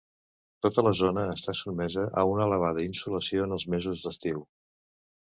Tota la zona està sotmesa a una elevada insolació en els mesos d'estiu.